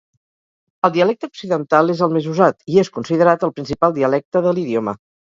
El dialecte occidental és el més usat i és considerat el principal dialecte de l'idioma.